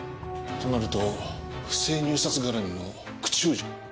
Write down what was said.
となると不正入札絡みの口封じか。